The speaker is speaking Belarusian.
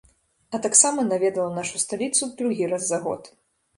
А таксама наведала нашу сталіцу другі раз за год.